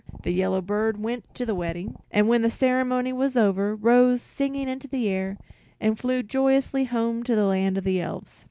The yellow bird went to the wedding, and when the ceremony was over rose singing into the air, and flew joyously home to the land of the Elves.